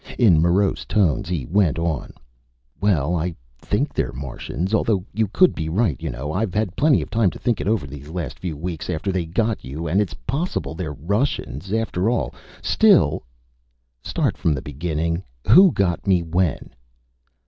In morose tones, he went on: "Well, I think they're Martians. Although you could be right, you know; I've had plenty of time to think it over these last few weeks, after they got you, and it's possible they're Russians after all. Still " "Start from the beginning. Who got me when?"